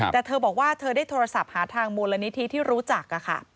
แต่เธอบอกว่าเธอได้โทรศัพท์หาทางมูลนิธิที่รู้จัก